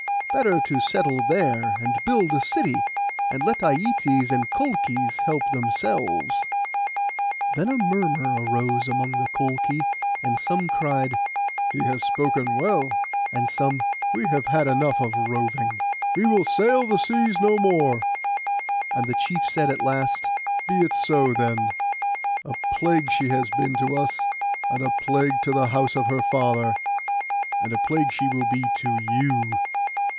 Better to settle there, and build a city, and let Aietes and Colchis help themselves.' Then a murmur rose among the Colchi, and some cried 'He has spoken well;' and some, 'We have had enough of roving, we will sail the seas no more!' And the chief said at last, 'Be it so, then; a plague she has been to us, and a plague to the house of her father, and a plague she will be to you.